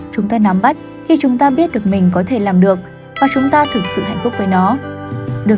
chúng ta nắm bắt khi chúng ta biết được mình có thể làm được và chúng ta thực sự hạnh phúc với nó được